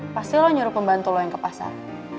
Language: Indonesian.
pasti lo nyuruh pembantu lo yang ke pasar